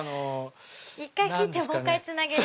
１回切ってもう１回つなげる。